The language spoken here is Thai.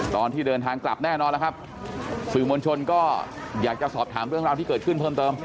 ตอนที่เดินทางกลับแน่นอนแล้วครับสื่อมวลชนก็อยากจะสอบถามเรื่องราวที่เกิดขึ้นเพิ่มเติม